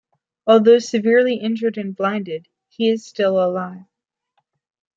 Although severely injured and blinded, he is still alive.